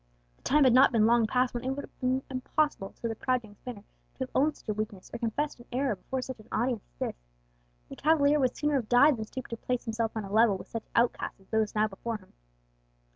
The time had not been long past when it would have been impossible to the proud young Spaniard to have owned a weakness, or confessed an error, before such an audience as this. The cavalier would sooner have died than have stooped to place himself on a level with such outcasts as those now before him.